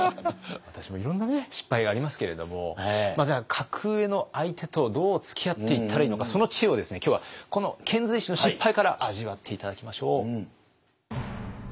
私もいろんな失敗がありますけれどもじゃあ格上の相手とどうつきあっていったらいいのかその知恵を今日はこの遣隋使の失敗から味わって頂きましょう。